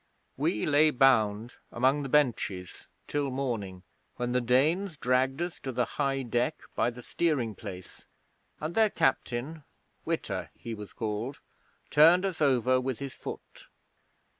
'We lay bound among the benches till morning, when the Danes dragged us to the high deck by the steering place, and their captain Witta, he was called turned us over with his foot.